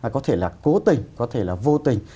có thể là cố tình có thể là vô tình